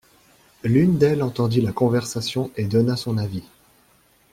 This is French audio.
L’une d’elle entendit la conversation et donna son avis.